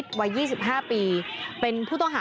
ตายหนึ่ง